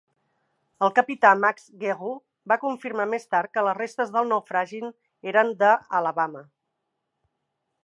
El capità Max Guerout va confirmar més tard que les restes del naufragi eren de "Alabama".